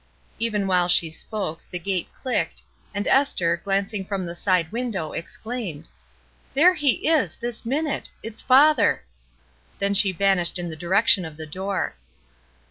Even while she spoke, the gate clicked, and Esther, glancing from the side wmdow, ex claimed :" There he is, this minute ! It's father." Then she vanished in the direction of the door.